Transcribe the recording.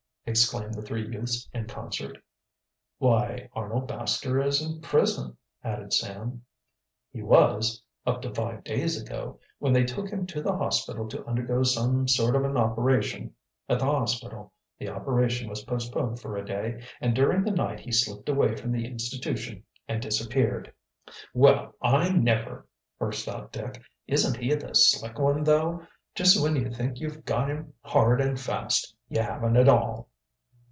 exclaimed the three youths in concert. "Why, Arnold Baxter is in prison," added Sam. "He was, up to five days ago, when they took him to the hospital to undergo some sort of an operation. At the hospital the operation was postponed for a day, and during the night he slipped away from the institution and disappeared." "Well, I never!" burst out Dick. "Isn't he the slick one, though! Just when you think you've got him hard and fast, you haven't at all."